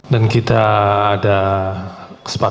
dan kita ada kesempatan